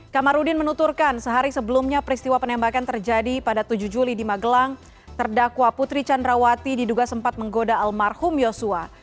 kamarudin menuturkan sehari sebelumnya peristiwa penembakan terjadi pada tujuh juli di magelang terdakwa putri candrawati diduga sempat menggoda almarhum yosua